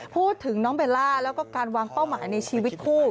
พูดถึงน้องเบลล่าแล้วก็การวางเป้าหมายในชีวิตคู่